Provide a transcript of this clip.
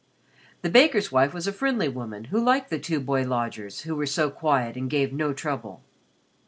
The baker's wife was a friendly woman who liked the two boy lodgers who were so quiet and gave no trouble.